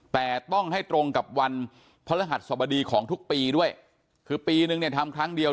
แต่ต้องให้ตรงกับวันพระรหัสสบดีของทุกปีด้วยคือปีนึงเนี่ยทำครั้งเดียว